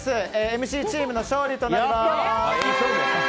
ＭＣチームの勝利となります！